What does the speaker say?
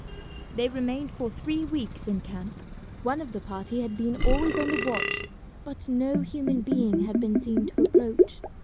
They remained for three weeks in camp. One of the party had been always on the watch, but no human being had been seen to approach.